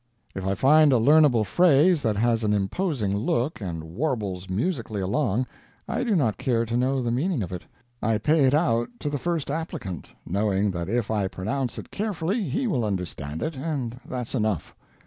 If I find a learnable phrase that has an imposing look and warbles musically along I do not care to know the meaning of it; I pay it out to the first applicant, knowing that if I pronounce it carefully_ he_ will understand it, and that's enough.